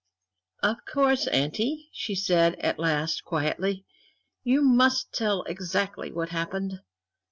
"Of course, auntie," she said at last, quietly, "you must tell exactly what happened.